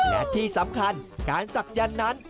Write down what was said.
และที่สำคัญการศักยันต์นั้น